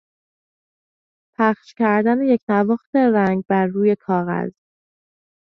پخش کردن یکنواخت رنگ بر روی کاغذ